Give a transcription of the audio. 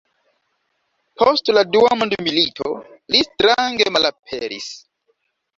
Post la dua mondmilito li strange malaperis.